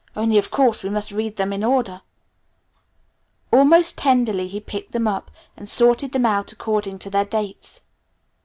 Only, of course, we must read them in order." Almost tenderly he picked them up and sorted them out according to their dates.